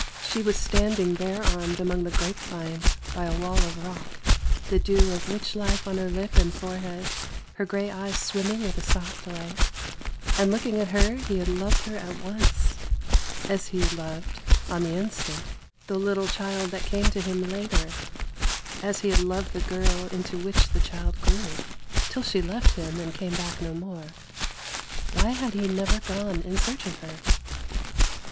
She was standing bare armed among the grapevines by a wall of rock, the dew of rich life on her lip and forehead, her grey eyes swimming with a soft light ; and looking at her he had loved her at once, as he had loved, on the instant, the little child that came to him later; as he had loved the girl into which the child grew, till she left him and came back no more. Why had he never gone in search of her?